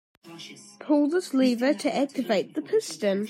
Pull this lever to activate the piston.